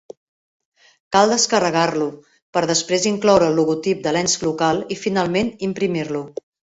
Cal descarregar-lo per després incloure el logotip de l'ens local i finalment imprimir-lo.